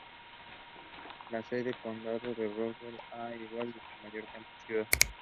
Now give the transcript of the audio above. La sede del condado es Roswell, al igual que su mayor ciudad.